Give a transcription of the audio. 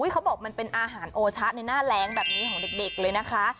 เขาบอกมันเป็นอาหารโอชะในหน้าแรงแบบนี้ของเด็กเลยนะคะ